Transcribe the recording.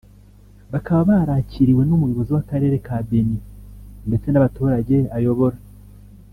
bakaba barakiriwe n’Umuyobozi w’Akarere ka Beni ndetse n’abaturage ayobora